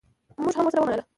مونږ هم ورسره ومنله.